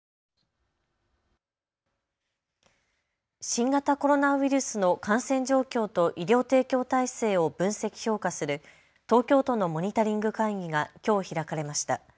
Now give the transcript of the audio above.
新型コロナウイルスの感染状況と医療提供体制を分析・評価する東京都のモニタリング会議がきょう開かれました。